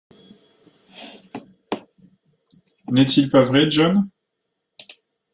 N’est-il pas vrai, John?